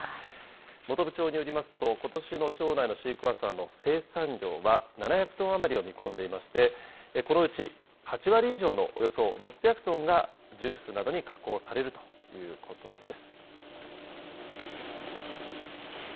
本部町によりますと、ことしの町内のシークヮーサーの生産量は７００トン余りを見込んでいまして、このうち８割以上のおよそ６００トンがジュースなどに加工されるということです。